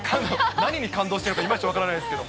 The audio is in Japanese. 何に感動しているかいまいち分からないですけど。